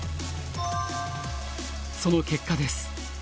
その結果です。